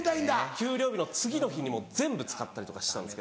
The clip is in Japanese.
給料日の次の日にもう全部使ったりとかしてたんですけど。